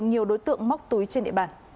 nhiều đối tượng móc túi trên địa bàn